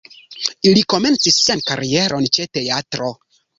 Li komencis sian karieron ĉe teatro.